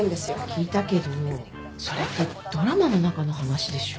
聞いたけどそれってドラマの中の話でしょ？